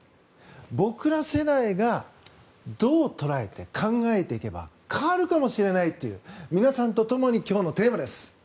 僕ら世代がどう捉えて考えていけば変わるかもしれないという皆さんとともに今日のテーマです。